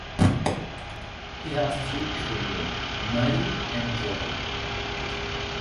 He has two children, Madi and Joey.